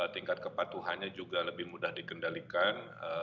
tingkat kepatuhannya juga lebih mudah dikendalikan